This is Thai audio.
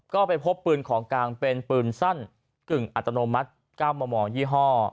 ก็ไปพบปืนของกลางเป็นปืนสั้นกึ่งอัตโนมัติ๙มมยี่ห้อ